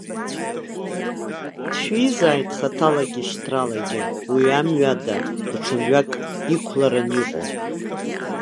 Дшәиизааит хаҭалагьы шьҭралагьы уи амҩа ада, даҽа мҩак иқәларан иҟоу!